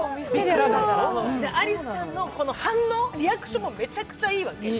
アリスちゃんの反応、リアクションもめちゃくちゃいいわけ。